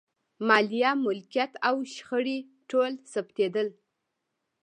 مالیه، ملکیت او شخړې ټول ثبتېدل.